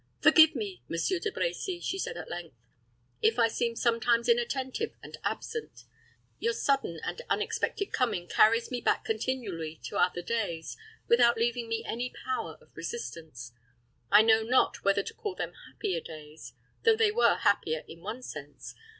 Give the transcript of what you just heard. "Forgive me, Monsieur De Brecy," she said, at length, "if I seem sometimes inattentive and absent. Your sudden and unexpected coming carries me back continually to other days, without leaving me any power of resistance I know not whether to call them happier days, though they were happier in one sense.